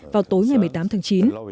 vào tối ngày một mươi tám tháng chín